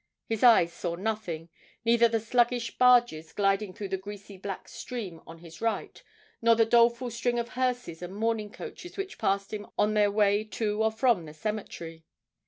His eyes saw nothing neither the sluggish barges gliding through the greasy black stream on his right, nor the doleful string of hearses and mourning coaches which passed him on their way to or from the cemetery.